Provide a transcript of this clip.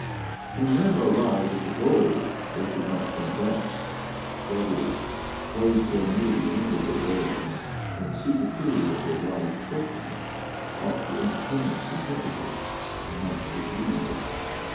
When men are arrived at the goal, they should not turn back ; that is, those who are near the end of their days, and see the period of their lives approaching, ought to entertain it contentedly, and not to be grieved at it.